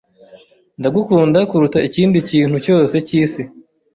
Ndagukunda kuruta ikindi kintu cyose cyisi.